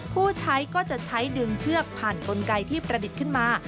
ผู้ใช้ก็จะใช้ดึงเชือกผ่านกลไกที่ประดิษฐ์ขึ้นมา